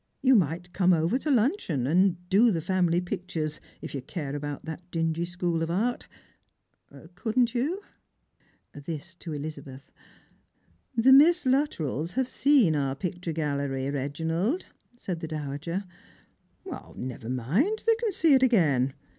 You might come over to luncheon, and do the family pictures, if you care about that dingy school of art; — couldn't you ?" this to Elizabeth. " The I\Iiss Luttrells have seen our picture gallery, Eeginald," said the dowager. " Well, never mind, they can see it again.